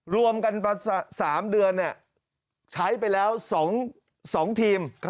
รวมกันมา๓เดือนใช้ไปแล้ว๒ทีม